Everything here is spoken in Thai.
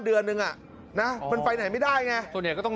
เดือนนึงอ่ะนะมันไปไหนไม่ได้ไงส่วนใหญ่ก็ต้อง